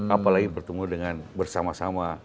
apalagi bertemu dengan bersama sama